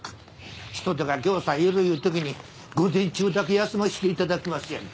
人手がぎょうさんいるいうときに午前中だけ休ませていただきますやなんて。